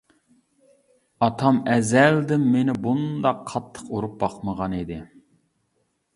ئاتام ئەزەلدىن مېنى بۇنداق قاتتىق ئۇرۇپ باقمىغان ئىدى.